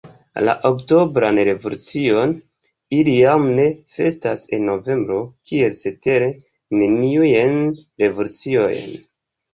La oktobran revolucion ili jam ne festas en novembro, kiel cetere neniujn revoluciojn.